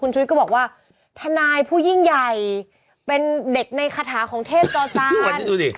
คุณชุยก็บอกว่าทนายผู้หญิงใหญ่เป็นเด็กในคาถาของเทพตราจารย์